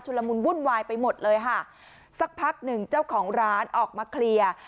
ละมุนวุ่นวายไปหมดเลยค่ะสักพักหนึ่งเจ้าของร้านออกมาเคลียร์